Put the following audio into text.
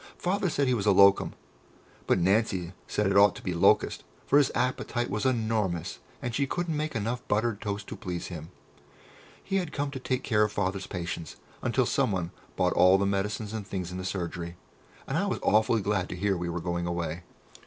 Father said he was a "locum," but Nancy said it ought to be "locust," for his appetite was enormous, and she couldn't make enough buttered toast to please him. He had come to take care of Father's patients until someone bought all the medicines and things in the surgery, and I was awfully glad to hear we were going away.